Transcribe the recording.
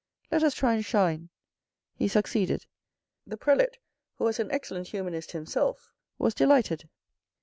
Let us try and shine. He succeeded. The prelate, who was an excellent humanist himself, was delighted.